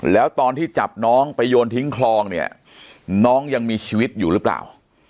แล้วตอนที่จับน้องไปโยนทิ้งคลองเนี่ยน้องยังมีชีวิตอยู่หรือเปล่า